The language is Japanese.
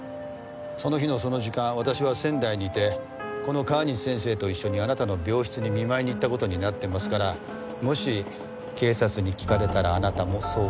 その日のその時間私は仙台にいてこの川西先生と一緒にあなたの病室に見舞いに行った事になってますからもし警察に聞かれたらあなたもそう答える事。